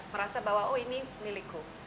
merasa bahwa oh ini milikku